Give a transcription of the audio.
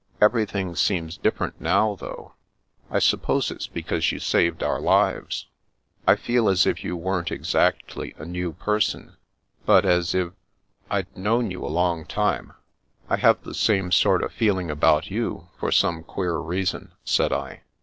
Everything seems different though, now. I suppose it's because you saved our lives. I feel as if you weren't exactly a new person, but as if — I'd known you a long time." The Princess 141 '* I have the same sort of feeling about you, for some queer reason," said I.